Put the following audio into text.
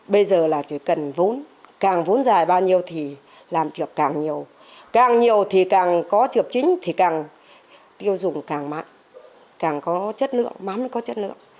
bây giờ là chỉ cần vốn càng vốn dài bao nhiêu thì làm trượp càng nhiều càng nhiều thì càng có trượp chính thì càng tiêu dùng càng mạnh càng có chất lượng mắm mới có chất lượng